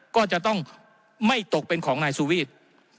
ก็จะต้องไม่ตกเป็นของนายสุวิทย์